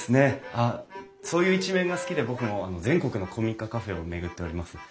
あっそういう一面が好きで僕も全国の古民家カフェを巡っております。